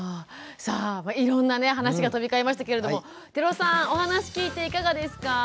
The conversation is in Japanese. さあいろんなね話が飛び交いましたけれども寺尾さんお話聞いていかがですか？